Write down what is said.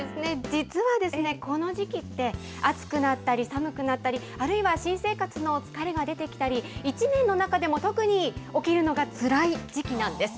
実はですね、この時期って、暑く成ったり寒くなったり、あるいは新生活の疲れが出てきたり、１年の中でも特に起きるのがつらい時期なんです。